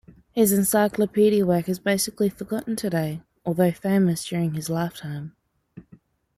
His encyclopedic work is basically forgotten today, although famous during his lifetime.